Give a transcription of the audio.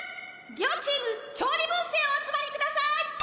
両チーム調理ブースへお集まりください！